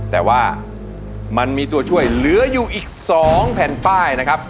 แต่ว่ามันมีตัวช่วยเหลืออยู่อีก๒แผ่นป้ายนะครับ